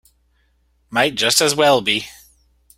Might just as well be.